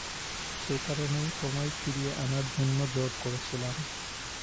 সেকারণেই তোমায় ফিরিয়ে আনার জন্য জোর করেছিলাম।